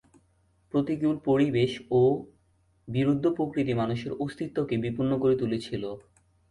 প্রতিকুল পরিবেশ ও বিরুদ্ধ প্রকৃতি মানুষের অস্তিত্বকে বিপন্ন করে তুলেছিল।